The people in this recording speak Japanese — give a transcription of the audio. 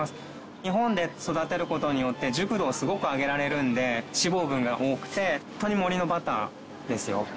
日本で育てる事によって熟度をすごく上げられるので脂肪分が多くて本当に森のバターですよ。